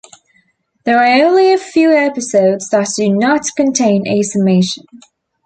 There are only a few episodes that do not contain a summation.